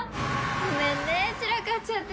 ごめんね散らかっちゃってて。